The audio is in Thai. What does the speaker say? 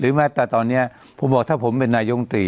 หรือว่าแต่ถ้าตอนนี้ผมพบว่าถ้าผมเป็นนายวงตรี